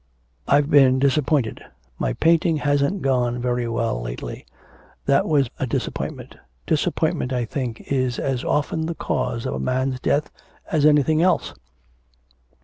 I've been disappointed. My painting hasn't gone very well lately. That was a disappointment. Disappointment, I think, is as often the cause of a man's death as anything else.